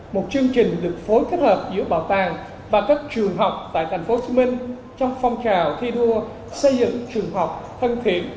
một chương trình được phối kết hợp giữa bảo tàng và các trường học tại tp hcm trong phong trào thi đua xây dựng trường học thân thiện